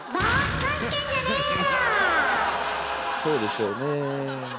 そうでしょうね。